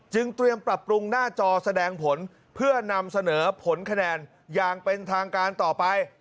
เตรียมปรับปรุงหน้าจอแสดงผลเพื่อนำเสนอผลคะแนนอย่างเป็นทางการต่อไป